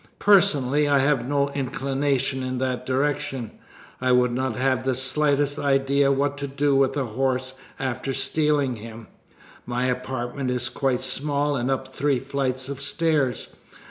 Personally, I have no inclination in that direction. I would not have the slightest idea what to do with a horse after stealing him. My apartment is quite small and up three flights of stairs.